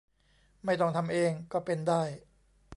ไม่ต้องทำเอง ก็เป็นได้